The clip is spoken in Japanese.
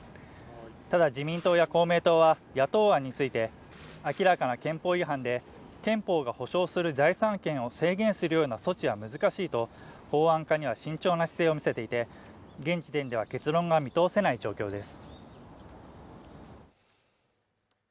ただ自民党や公明党は野党案について明らかな憲法違反で憲法が保障する財産権を制限するような措置は難しいと法案化には慎重な姿勢を見せていて現時点では結論が見通せない状況です